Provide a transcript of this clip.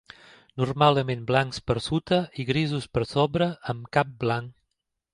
Normalment blancs per sota i grisos per sobre, amb cap blanc.